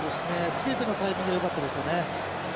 すべてのタイミングがよかったですよね。